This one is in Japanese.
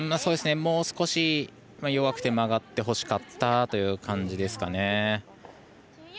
もう少し弱くて曲がってほしかったという感じですかね。